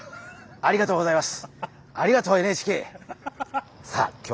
ありがとうございます。